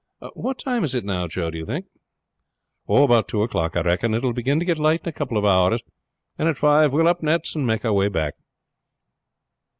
"What time is it now, Joe, do you think?" "About two o'clock, I reckon. It will begin to get light in a couple of hours, and at five we will up nets and make our way back."